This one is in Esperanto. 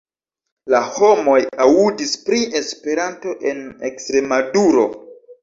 La homoj aŭdis pri Esperanto en Ekstremaduro.